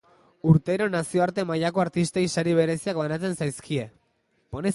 Urtero nazioarte mailako artistei sari bereziak banatzen zaizkide.